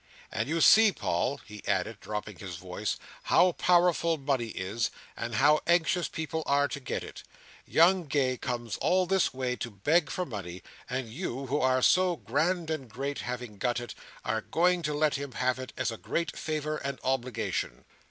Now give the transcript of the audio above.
"And you see, Paul," he added, dropping his voice, "how powerful money is, and how anxious people are to get it. Young Gay comes all this way to beg for money, and you, who are so grand and great, having got it, are going to let him have it, as a great favour and obligation."